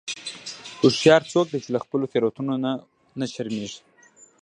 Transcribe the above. هوښیار څوک دی چې له خپلو تېروتنو نه و نه شرمیږي.